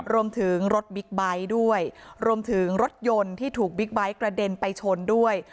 รวมถึงรถบิ๊กไบท์รถยนต์ที่ถูกบิ๊กไบท์กระเด็นไปชนด้วย